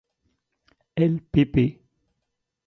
I, pp.